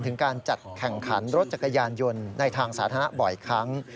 ถึงการจัดแข่งขันรถจักรยานยนต์ในทางสาธารณะบ่อยครั้ง